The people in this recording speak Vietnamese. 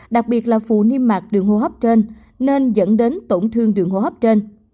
đặc biệt là phụ niêm mạc đường hô hấp trên nên dẫn đến tổn thương đường hô hấp trên